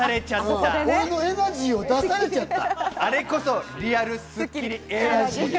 俺のエナジーを出されちゃった。